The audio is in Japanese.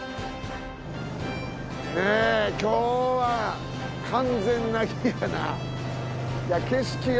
今日は完全な日やな。